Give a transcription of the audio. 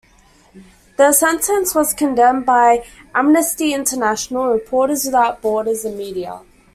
The sentence was condemned by Amnesty International, Reporters without Borders and media.